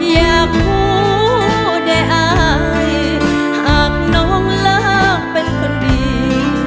อยากพูดได้อายหากน้องลามเป็นคนดี